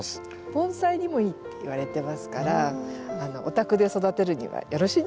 盆栽にもいいっていわれてますからお宅で育てるにはよろしいんじゃないでしょうか。